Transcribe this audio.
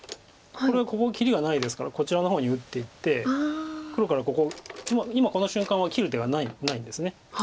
これはここ切りがないですからこちらの方に打っていって黒からここ今この瞬間は切る手がないんです。